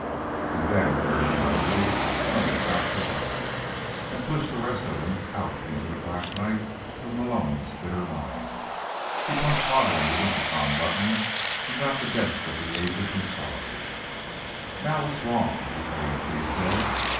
And then, very suddenly, another fact arrived, and pushed the rest out into the black night of Malone's bitter mind. He punched hard on the intercom button and got the desk of the agent in charge. "Now what's wrong?" the A in C said.